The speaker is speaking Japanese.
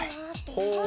ほう。